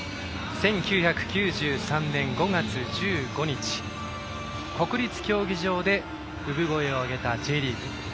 １９９３年５月１５日国立競技場で産声を上げたＪリーグ。